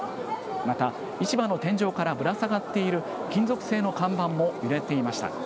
また、市場の天井からぶら下がっている金属製の看板も揺れていました。